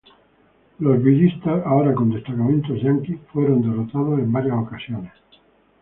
Los villistas -ahora con destacamentos Yaquis- fueron derrotados en varias ocasiones.